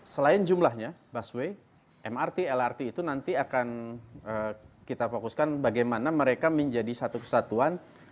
selain jumlahnya busway mrt lrt itu nanti akan kita fokuskan bagaimana mereka menjadi satu kesatuan